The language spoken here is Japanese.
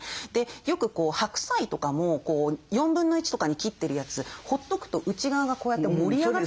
よく白菜とかも1/4とかに切ってるやつほっとくと内側がこうやって盛り上がって。